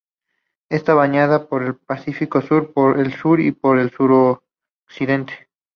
Está bañada por el Pacífico Sur por el sur y por el suroccidente.